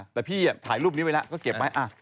แต่พี่ถ่ายรูปนี้ไว้แล้วก็เก็บไว้